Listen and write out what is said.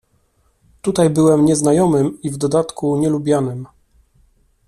"Tutaj byłem nieznajomym i w dodatku nielubianym."